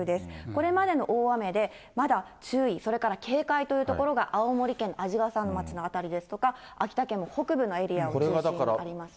これまでの大雨で、まだ注意、それから警戒という所が青森県の鯵ヶ沢町の辺りですとか、秋田県の北部のエリアを中心にあります。